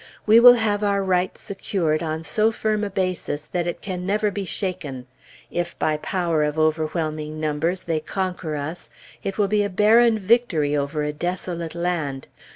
We will have our rights secured on so firm a basis that it can never be shaken. If by power of overwhelming numbers they conquer us, it will be a barren victory over a desolate land.